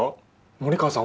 森川さん